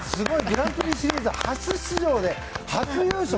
グランプリシリーズ初出場で初優勝。